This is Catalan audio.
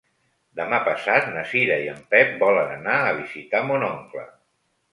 Demà passat na Cira i en Pep volen anar a visitar mon oncle.